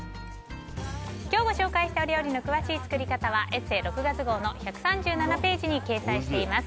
今日ご紹介した料理の詳しい作り方は「ＥＳＳＥ」６月号の１３７ページに掲載しています。